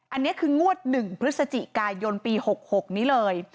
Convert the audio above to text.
อันนี้คืองวด๑พฤศจิกายนปี๖๖นี้เลย